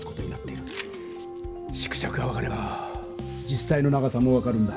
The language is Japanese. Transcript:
縮尺が分かれば実さいの長さも分かるんだ。